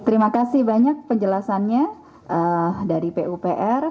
terima kasih banyak penjelasannya dari pupr